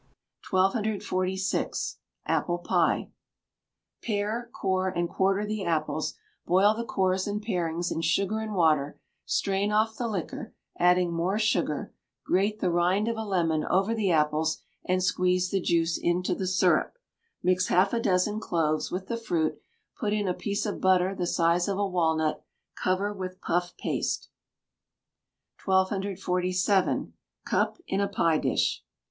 1246. Apple Pie. Pare, core, and quarter the apples; boil the cores and parings in sugar and water; strain off the liquor, adding more sugar; grate the rind of a lemon over the apples, and squeeze the juice into the syrup; mix half a dozen cloves with the fruit, put in a piece of butter the size of a walnut; cover with puff paste. 1247. Cup in a Pie Dish.